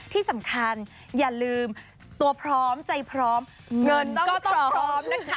ที่สำคัญอย่าลืมตัวพร้อมใจพร้อมเงินก็ต้องพร้อมนะคะ